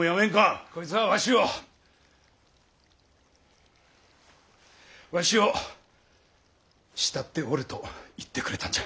こいつはわしをわしを慕っておると言ってくれたんじゃ。